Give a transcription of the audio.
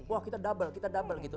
wah kita double kita double gitu